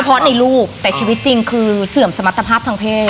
เพราะในรูปแต่ชีวิตจริงคือเสื่อมสมรรถภาพทางเพศ